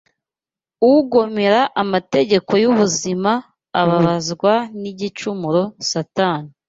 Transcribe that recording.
Ugomera Amategeko y’Ubuzima Ababazwa n’Igicumuro Satani